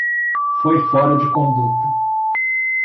Foi fora de conduta.